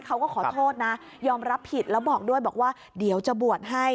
เขาก็ขอโทษนะยอมรับผิดแล้วบอกด้วยบอกว่าเดี๋ยวจะบวชให้